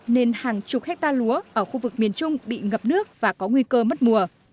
nên hàng chục hectare lúa ở khu vực miền trung bị ngập nước và có nguy cơ mất mùa